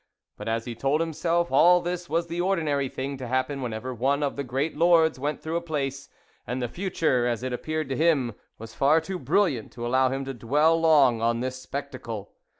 But, as he told himself, all this was the ordinary thing to happen whenever one of the great lords went through a place, and the future, as it appeared to him, was far too brilliant to allow him to dwell long on this spec tacle.